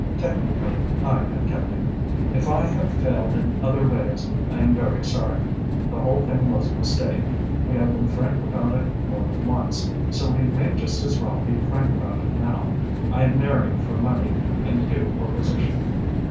Technically I have kept it. If I have failed in other ways, I am very sorry. The whole thing was a mistake. We have been frank about it more than once, so we may just as well be frank about it now. I married for money and you for position.